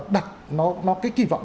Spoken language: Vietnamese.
đặt nó cái kỳ vọng